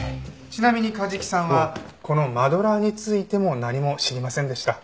ちなみに梶木さんはこのマドラーについても何も知りませんでした。